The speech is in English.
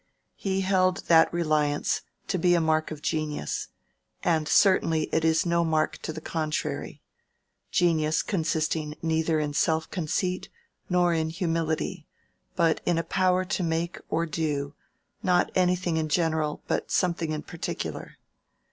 He held that reliance to be a mark of genius; and certainly it is no mark to the contrary; genius consisting neither in self conceit nor in humility, but in a power to make or do, not anything in general, but something in particular.